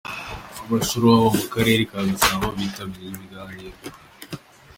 Abasorwashwa bo mu karere ka Gasabo bitabiriye ibiganiro.